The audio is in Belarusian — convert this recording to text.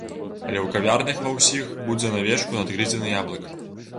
Але ў кавярнях ва ўсіх будзе на вечку надгрызены яблык.